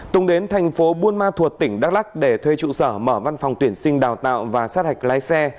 tùng đến thành phố buôn ma thuột tỉnh đắk lắc để thuê trụ sở mở văn phòng tuyển sinh đào tạo và sát hạch lái xe